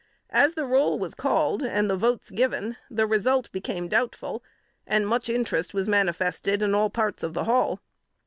As the roll was called, and the votes given, the result became doubtful, and much interest was manifested in all parts of the hall.